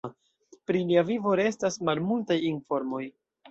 Pri lia vivo restas malmultaj informoj.